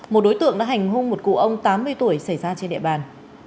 một đối tượng đã hành hung một cụ ông tám mươi tuổi xảy ra trên địa bàn